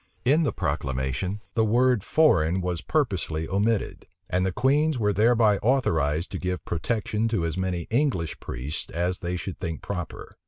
In the proclamation, the word foreign was purposely omitted; and the queens were thereby authorized to give protection to as many English priests as they should think proper.